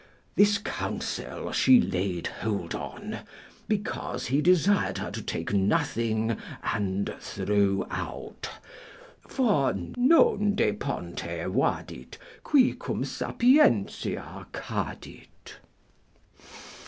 This counsel she laid hold on, because he desired her to take nothing and throw out, for Non de ponte vadit, qui cum sapientia cadit.